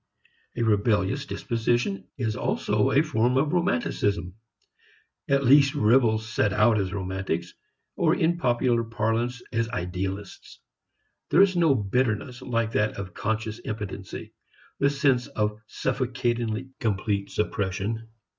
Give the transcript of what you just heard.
A rebellious disposition is also a form of romanticism. At least rebels set out as romantics, or, in popular parlance, as idealists. There is no bitterness like that of conscious impotency, the sense of suffocatingly complete suppression.